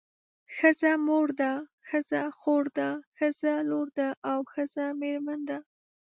ښځه مور ده ښځه خور ده ښځه لور ده او ښځه میرمن ده.